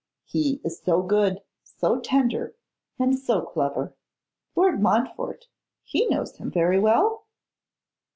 'He is so good, so tender, and so clever. Lord Montfort, he knows him very well?